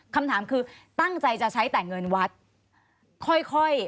คำถามคือตั้งใจจะใช้แต่เงินวัดค่อย